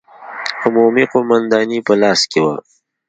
عمومي قومانداني په لاس کې وه.